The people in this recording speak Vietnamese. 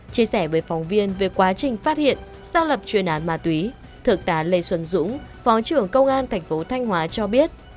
chia sẻ với phóng viên về quá trình phát hiện xác lập chuyên án ma túy thượng tá lê xuân dũng phó trưởng công an thành phố thanh hóa cho biết